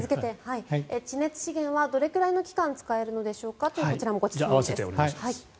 地熱資源はどれくらいの期間使えるのでしょうかという併せてお願いします。